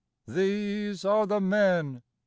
These are the men !